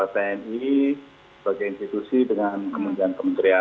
tni sebagai institusi dengan kementerian kementerian